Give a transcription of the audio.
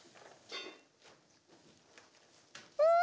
うん！